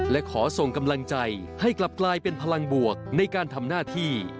และขอส่งกำลังใจให้กลับกลายเป็นพลังบวกในการทำหน้าที่